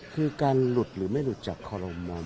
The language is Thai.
คือการหลุดหรือไม่หลุดจากคอรมอล